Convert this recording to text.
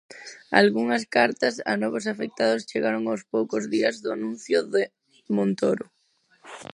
Algunhas cartas a novos afectados chegaron aos poucos días do anuncio de Montoro.